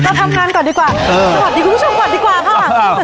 ทำงานก่อนดีกว่าสวัสดีคุณผู้ชมก่อนดีกว่าค่ะ